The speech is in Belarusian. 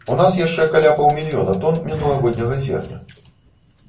У нас яшчэ каля паўмільёна тон мінулагодняга зерня.